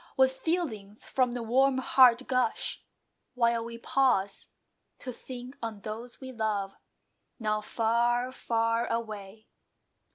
What feelings from the warm heart gush, While we pause to think on those we love, Now far, far away!